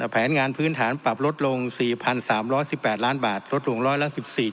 แผนงานพื้นฐานปรับลดลง๔๓๑๘ล้านบาทลดลงร้อยละ๑๔